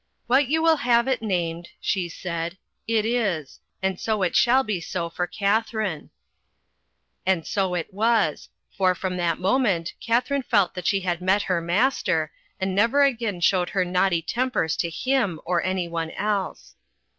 "What you will have it named," she said, "it is, and so it shall be so for Katharine." And so it was, for from that moment Katharine felt that she had met her master, and never again showed her naughty tempers to him, or anyone else.